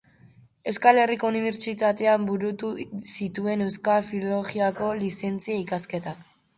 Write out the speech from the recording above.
Euskal Herriko Unibertsitatean burutu zituen Euskal Filologiako lizentzia ikasketak.